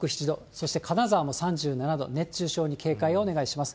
そして金沢も３７度、熱中症に警戒をお願いします。